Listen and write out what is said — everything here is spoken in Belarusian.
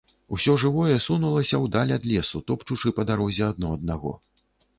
Усё жывое сунулася ў даль ад лесу, топчучы па дарозе адно аднаго.